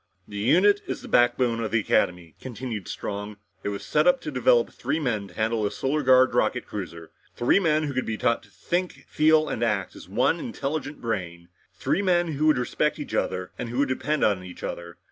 "The unit is the backbone of the Academy," continued Strong. "It was set up to develop three men to handle a Solar Guard rocket cruiser. Three men who could be taught to think, feel and act as one intelligent brain. Three men who would respect each other and who could depend on each other.